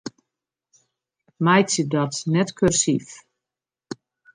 Meitsje dat net kursyf.